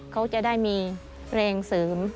เขาจะได้มีแรงเสริม